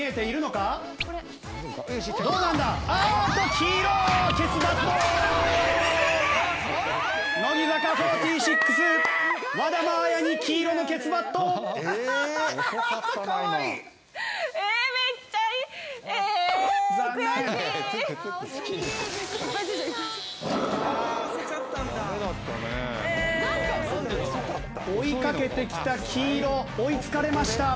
追い掛けてきた黄色追いつかれました。